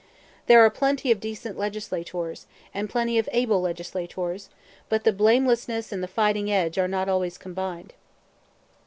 There are plenty of decent legislators, and plenty of able legislators; but the blamelessness and the fighting edge are not always combined.